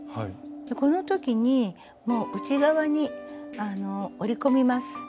この時にもう内側に折り込みます。